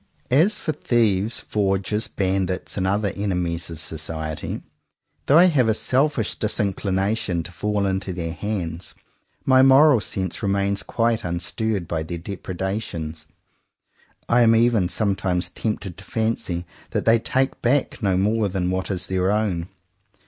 As for thieves, forgers, bandits, and other enemies of society, though I have a selfish disinclination to fall into their hands, my moral sense remains quite unstirred by their depredations. I am even sometimes tempted to fancy that they take back no more than what is their own.